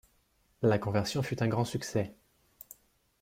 La conversion fut un grand succès.